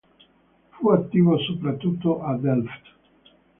Fu attivo soprattutto a Delft.